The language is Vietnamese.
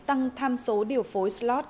tăng tham số điều phối slot